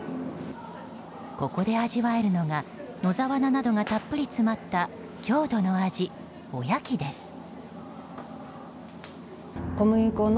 ここで味わえるのが野沢菜などがたっぷり詰まった郷土の味、おやきです。